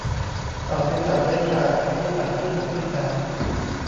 เต่าเป็นสัตว์เลื้อยคลานไม่ใช่สัตว์ครึ่งบกครึ่งน้ำ